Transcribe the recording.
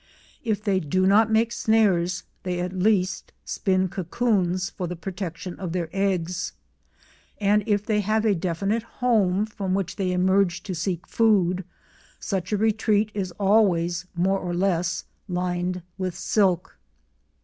If they do not make snares they at least spin "cocoons" for the protection of their eggs, and if they have a definite home from which they emerge to seek food, such a retreat is always more or less lined with silk.